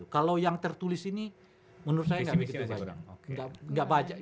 kalau yang tertulis ini menurut saya gak begitu banyak